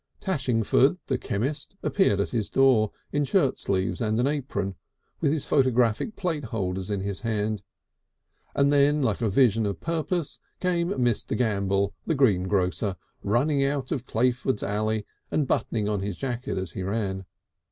Tashingford, the chemist, appeared at his door, in shirt sleeves and an apron, with his photographic plate holders in his hand. And then like a vision of purpose came Mr. Gambell, the greengrocer, running out of Clayford's Alley and buttoning on his jacket as he ran.